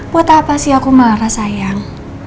buat apa sih aku marah sayang